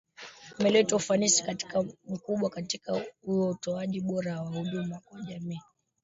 umeleta ufanisi mkubwa katika utoaji bora wa huduma kwa jamii